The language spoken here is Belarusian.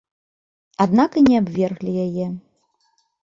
Аднак і не абверглі яе.